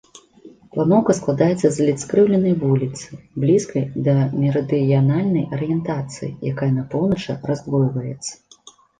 Планоўка складаецца з ледзь скрыўленай вуліцы, блізкай да мерыдыянальнай арыентацыі, якая на поўначы раздвойваецца.